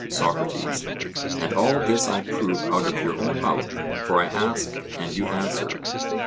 SOCRATES: And all this I prove out of your own mouth, for I ask and you answer?